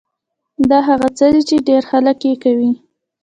دا هغه څه دي چې ډېر خلک يې کوي.